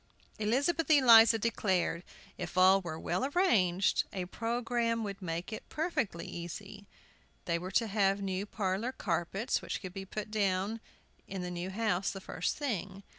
Elizabeth Eliza declared if all were well arranged a programme would make it perfectly easy. They were to have new parlor carpets, which could be put down in the new house the first thing.